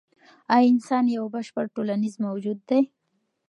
ایا انسان یو بشپړ ټولنیز موجود دی؟